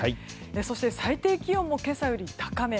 そして最低気温も今朝より高め。